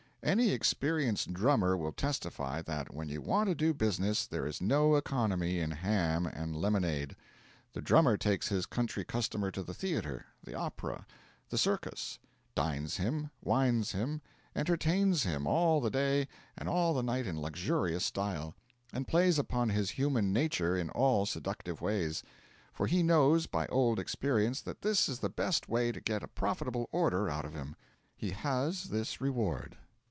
Any experienced 'drummer' will testify that, when you want to do business, there is no economy in ham and lemonade. The drummer takes his country customer to the theatre, the opera, the circus; dines him, wines him, entertains him all the day and all the night in luxurious style; and plays upon his human nature in all seductive ways. For he knows, by old experience, that this is the best way to get a profitable order out of him. He has this reward.